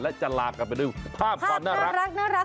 และจะลากลับไปด้วยภาพความน่ารัก